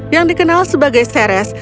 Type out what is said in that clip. yang dikenal sebagai ceres